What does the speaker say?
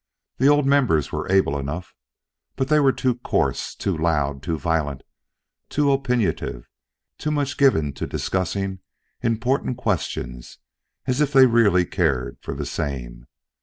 The old members were able enough, but they were too coarse, too loud, too violent, too opiniative, too much given to discussing important questions as if they really cared for the same.